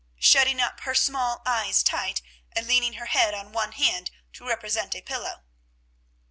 shutting up her small eyes tight, and leaning her head on one hand, to represent a pillow.